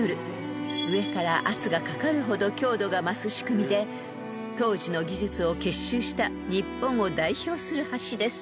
［上から圧がかかるほど強度が増す仕組みで当時の技術を結集した日本を代表する橋です］